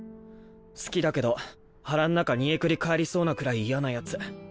好きだけど腹ん中煮えくり返りそうなくらい嫌なヤツ。